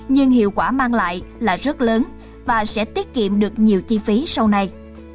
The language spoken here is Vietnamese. nhưng hiệu quả mang lại là rất lớn và sẽ tiết kiệm được nhiều chi phí sau này